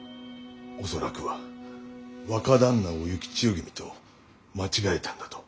恐らくは若旦那を幸千代君と間違えたんだと。